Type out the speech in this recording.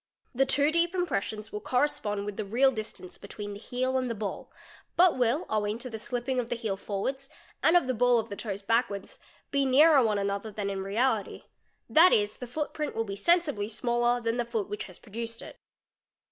The two deep impres — sions will correspond with the real distance between the heel and the ball, but will, owing to the slipping of the heel forwards and of the ball of the toes backwards, be nearer one another than in reality: that is, the: footprint will be sensibly smaller than the foot which has produced it.